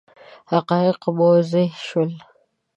حقایق موضح شول.